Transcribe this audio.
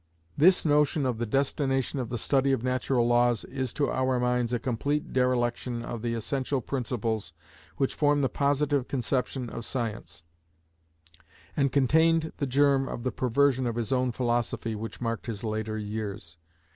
This notion of the "destination" of the study of natural laws is to our minds a complete dereliction of the essential principles which form the Positive conception of science; and contained the germ of the perversion of his own philosophy which marked his later years.